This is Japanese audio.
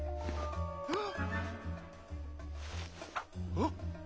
あっ！